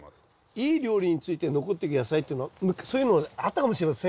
いい料理について残っていく野菜っていうのはそういうのあったかもしれません。